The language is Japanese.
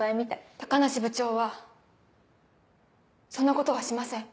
高梨部長はそんなことはしません。